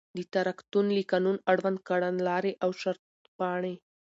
د تدارکاتو له قانون، اړوند کړنلاري او د شرطپاڼي